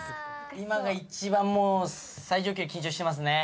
今が一番もう最上級に緊張してますね。